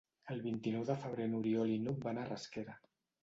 El vint-i-nou de febrer n'Oriol i n'Hug van a Rasquera.